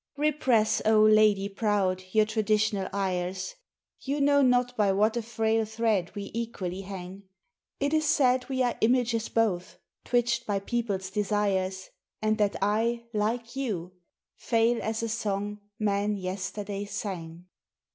"—Repress, O lady proud, your traditional ires; You know not by what a frail thread we equally hang; It is said we are images both—twitched by people's desires; And that I, like you, fail as a song men yesterday sang!"